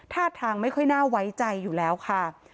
ท่าทางไม่ค่อยน่าไว้ใจอยู่แล้วค่ะ